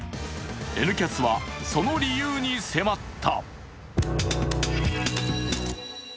「Ｎキャス」はその理由に迫った。